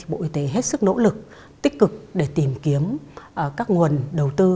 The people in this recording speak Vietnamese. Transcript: bộ y tế hết sức nỗ lực tích cực để tìm kiếm các nguồn đầu tư